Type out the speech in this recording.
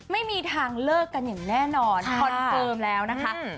ไม่มีทางเลิกกันอย่างแน่นอนคอนเฟิร์มแล้วนะคะ